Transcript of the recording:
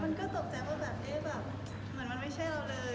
มันก็ตกใจแบบไม่ใช่เราเลย